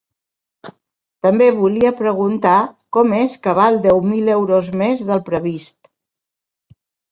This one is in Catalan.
També volia preguntar com és que val deu mil euros més del previst.